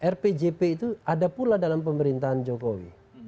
rpjp itu ada pula dalam pemerintahan jokowi